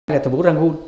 thành phố yangon